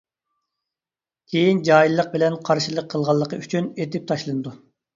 كېيىن جاھىللىق بىلەن قارشىلىق قىلغانلىقى ئۈچۈن ئېتىپ تاشلىنىدۇ.